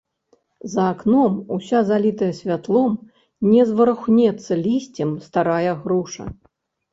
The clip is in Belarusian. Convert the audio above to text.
За акном уся залітая святлом не зварухнецца лісцем старая груша.